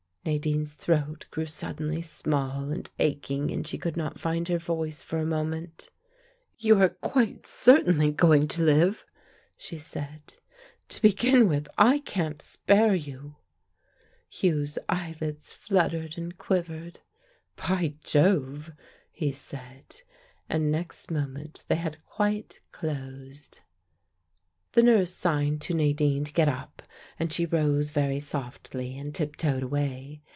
Nadine's throat grew suddenly small and aching, and she could not find her voice for a moment. "You are quite certainly going to live," she said. "To begin with, I can't spare you!" Hugh's eyelids fluttered and quivered. "By Jove!" he said, and next moment they had quite closed. The nurse signed to Nadine to get up and she rose very softly and tiptoed away.